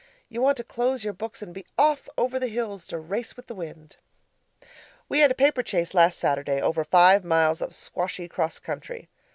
You want to close your books and be off over the hills to race with the wind. We had a paper chase last Saturday over five miles of squashy 'cross country.